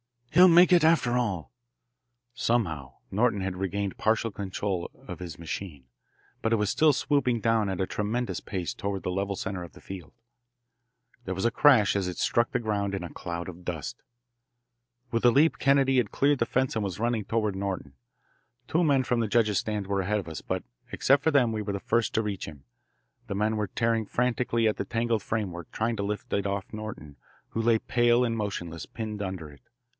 "He'll make it, after all!" Somehow Norton had regained partial control of his machine, but it was still swooping down at a tremendous pace toward the level centre of the field. There was a crash as it struck the ground in a cloud of dust. With a leap Kennedy had cleared the fence and was running toward Norton. Two men from the judge's stand were ahead of us, but except for them we were the first to reach him. The men were tearing frantically at the tangled framework, trying to lift it off Norton, who lay pale and motionless, pinned under it.